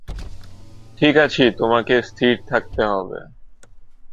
ঠিক আছি তোমাকে স্থির থাকতে হবে।